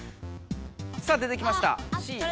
さあ出てきました「Ｃ」。